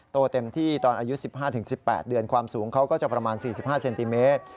เต็มที่ตอนอายุ๑๕๑๘เดือนความสูงเขาก็จะประมาณ๔๕เซนติเมตร